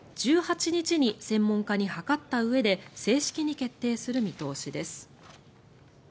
１８日に専門家に諮ったうえで正式に決定する見通しです。